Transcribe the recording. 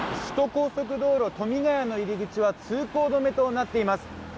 首都高速道路、富ヶ谷の入り口は通行止めとなっています。